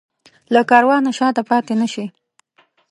له کاروانه شاته پاتې نه شي.